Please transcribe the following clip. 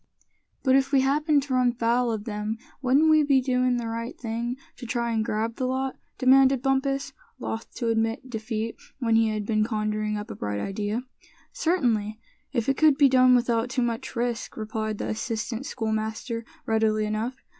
"But if we happened to run foul of them, wouldn't we be doin' the right thing to try and grab the lot?" demanded Bumpus, loth to admit defeat when he had been conjuring up a bright idea. "Certainly, if it could be done without too much risk," replied the assistant scoutmaster, readily enough.